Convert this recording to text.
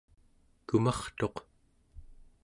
kumartuq